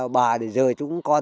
bà để rời chúng con